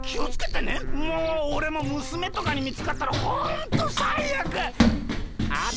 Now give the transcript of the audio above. もうおれもむすめとかにみつかったらホントさいあく！あっ！